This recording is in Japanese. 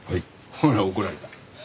ほら怒られた。